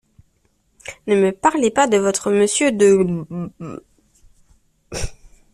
Ne me parlez pas de votre Monsieur de ***.